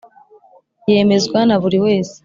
yemezwa naburiwese.